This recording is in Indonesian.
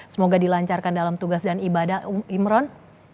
semoga dilancarkan dalam tugas dan ibadah imron